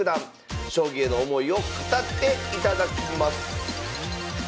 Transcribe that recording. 将棋への思いを語っていただきます